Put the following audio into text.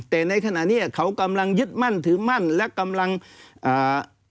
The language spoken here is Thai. แต่ในขณะเนี้ยเขากำลังยึดมั่นถือมั่นและกำลังอ่า